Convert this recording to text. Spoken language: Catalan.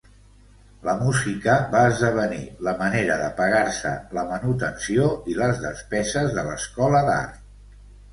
La música va esdevenir la manera de pagar-se la manutenció i les despeses de l'escola d'art.